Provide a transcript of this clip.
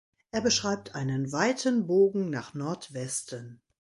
Er beschreibt einen weiten Bogen nach Nordwesten.